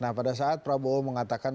nah pada saat prabowo mengatakan